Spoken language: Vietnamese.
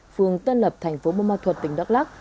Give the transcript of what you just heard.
phường tân lập thành phố bô ma thuật tỉnh đắk lắc